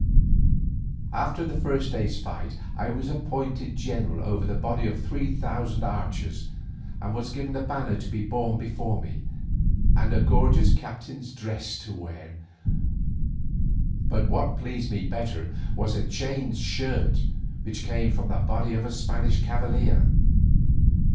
After the first day's fight I was appointed general over a body of three thousand archers, and was given a banner to be borne before me and a gorgeous captain's dress to wear. But what pleased me better was a chain shirt which came from the body of a Spanish cavalier.